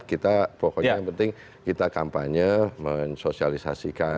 kita pokoknya yang penting kita kampanye mensosialisasikan dan sebagainya